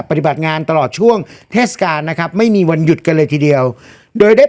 ปฏิบัติงานตลอดช่วงเทศกาลนะครับไม่มีวันหยุดกันเลยทีเดียวโดยได้